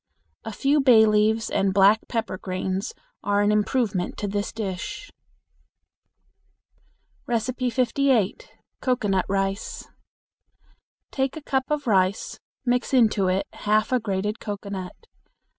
A few bay leaves and black pepper grains are an improvement to this dish. 58. Cocoanut Rice. Take a cup of rice, mix it into half a grated cocoanut.